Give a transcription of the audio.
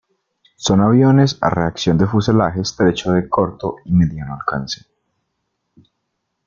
Son aviones a reacción de fuselaje estrecho de corto y mediano alcance.